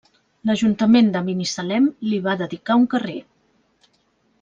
L'Ajuntament de Binissalem li va dedicar un carrer.